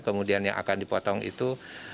kemudian yang akan dipotong itu